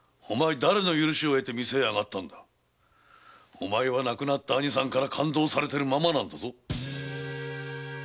お前は亡くなった兄さんから勘当されてるままなんだぞ。